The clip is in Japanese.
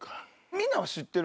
みんなは知ってる？